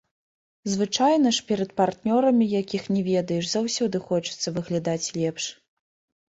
Звычайна ж перад партнёрамі, якіх не ведаеш, заўсёды хочацца выглядаць лепш.